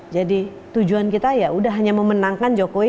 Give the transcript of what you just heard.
jadi tujuan kita ya sudah hanya memenangkan jokowi